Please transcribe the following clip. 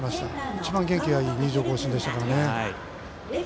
一番元気がいい入場行進でした。